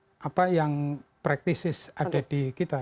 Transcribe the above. dengan apa yang praktesis ada di kita